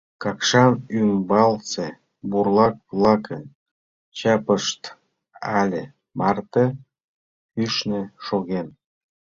— Какшан ӱмбалсе бурлак-влакын чапышт але марте кӱшнӧ шоген.